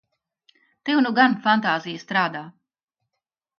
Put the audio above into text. Tev nu gan fantāzija strādā!